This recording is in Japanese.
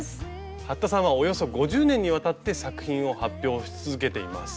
服田さんはおよそ５０年にわたって作品を発表し続けています。